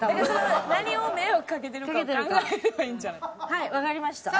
はいわかりました。